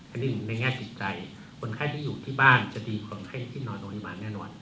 อันนี้ในแง่จิตใจคนไข้ที่อยู่ที่บ้านจะดีกว่าคนไข้ที่นอนโรงพยาบาลแน่นอน